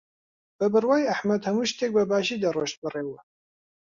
بە بڕوای ئەحمەد هەموو شتێک بەباشی دەڕۆشت بەڕێوە.